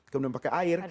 kemudian pakai air